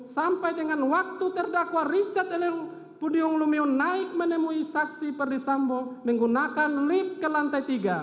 sampai dengan waktu terdakwa richard elie pudium lumiu naik menemui saksi perdisambo menggunakan lift ke lantai tiga